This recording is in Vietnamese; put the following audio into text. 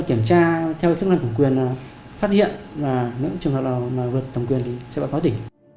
việc thất thoát tài nguyên và ngân sách là khó tránh khỏi